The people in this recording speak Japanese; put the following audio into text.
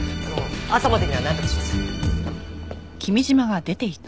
朝までにはなんとかします。